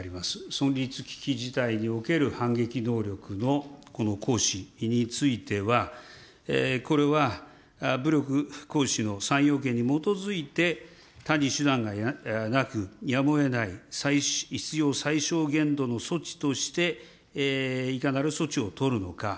存立危機事態における反撃能力のこの行使については、これは武力行使の３要件に基づいて、他に手段がなく、やむをえない必要最小限度の措置として、いかなる措置を取るのか。